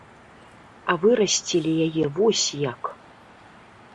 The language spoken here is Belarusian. А вырасцілі яе вось як.